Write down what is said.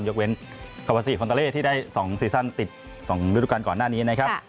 ยกเว้นความประสิทธิ์คนตะเลที่ได้๒ซีสันติด๒รูปการก่อนหน้านี้นะครับ